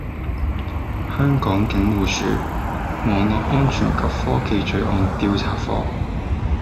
香港警務處網絡安全及科技罪案調查科